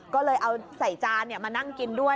ก็เลยเอาใส่จานมานั่งกินด้วย